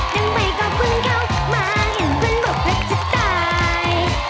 ดังไว้ก็เพิ่งเข้ามาอย่างคุณบอกว่าจะตาย